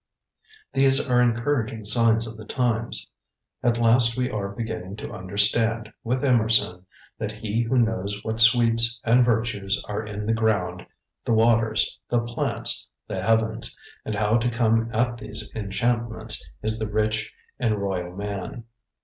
These are encouraging signs of the times. At last we are beginning to understand, with Emerson, that he who knows what sweets and virtues are in the ground, the waters, the plants, the heavens, and how to come at these enchantments, is the rich and royal man.